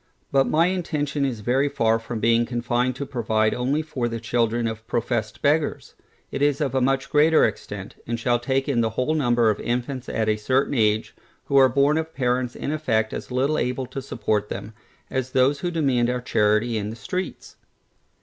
But my intention is very far from being confined to provide only for the children of professed beggars: it is of a much greater extent, and shall take in the whole number of infants at a certain age, who are born of parents in effect as little able to support them, as those who demand our charity in the streets.